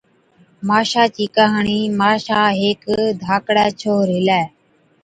ماشا چِي ڪهاڻِي، ماشا هيڪ ڌاڪڙِي ڇوهر هِلِي،